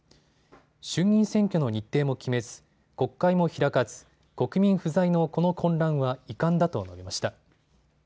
衆議院選挙の日程も決めず国会も開かず国民不在のこの混乱は遺憾だと述べました。